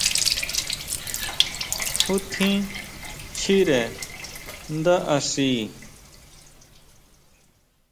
¿Ju tjín chire ndá axi?